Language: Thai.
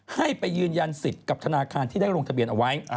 ให้ไปยืนยันสิทธิ์กับธนาคารที่ได้ลงทะเบียนเอาไว้